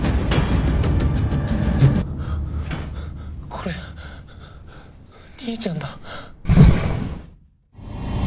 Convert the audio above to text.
これ兄ちゃんだ。